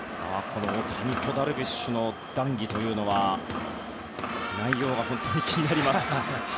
大谷とダルビッシュの談義というのは内容が本当に気になります。